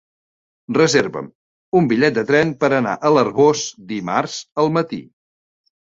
Reserva'm un bitllet de tren per anar a l'Arboç dimarts al matí.